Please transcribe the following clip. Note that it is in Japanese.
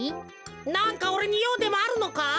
なんかおれにようでもあるのか？